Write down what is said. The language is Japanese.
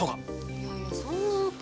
いやいやそんなわけ。